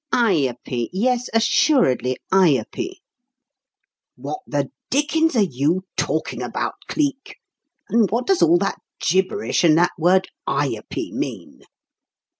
Ayupee! yes, assuredly, Ayupee!" "What the dickens are you talking about, Cleek? And what does all that gibberish and that word 'Ayupee' mean?"